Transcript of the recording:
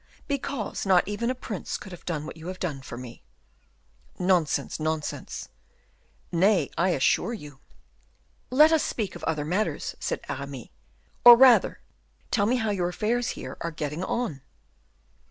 "Because not even a prince could have done what you have done for me." "Nonsense! nonsense!" "Nay, I assure you " "Let us speak of other matters," said Aramis. "Or rather, tell me how your affairs here are getting on."